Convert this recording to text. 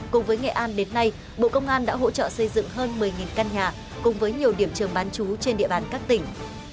cùng với nghệ an đến nay bộ công an đã hỗ trợ xây dựng hơn một mươi căn nhà cùng với nhiều điểm trường bán chú trên địa bàn các tỉnh